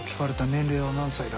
「年齢は何歳だ？」